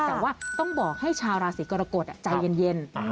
แต่ว่าต้องบอกให้ชาวราศีกรกฎใจเย็น